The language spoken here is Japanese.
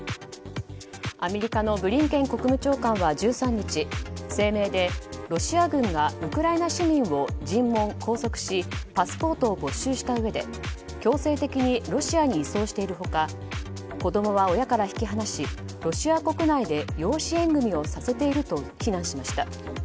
アメリカのブリンケン国務長官は１３日、声明でロシア軍がウクライナ市民を尋問・拘束しパスポートを没収したうえで強制的にロシアへ移送している他子供は親から引き離しロシア国内で養子縁組をさせていると非難しました。